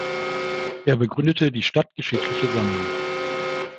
Er begründete die stadtgeschichtliche Sammlung.